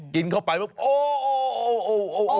กินเข้าไปโอ